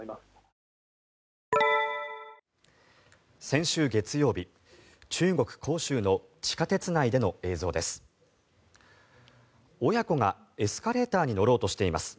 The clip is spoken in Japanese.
先週月曜日、中国・杭州の地下鉄内での映像です。